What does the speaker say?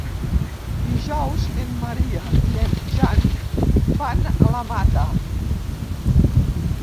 Dijous en Maria i en Jan van a la Mata.